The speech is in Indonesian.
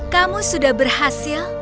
kamu sudah berhasil